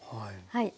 はい。